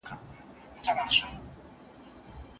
استاد باید له ځان ښودني څخه په کلکه ډډه وکړي.